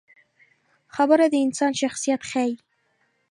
خبره د انسان شخصیت ښيي.